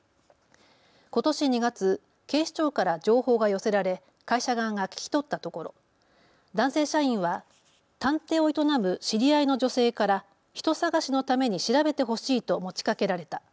ことし２月、警視庁から情報が寄せられ会社側が聴き取ったところ男性社員は探偵を営む知り合いの女性から人探しのために調べてほしいと持ちかけられた。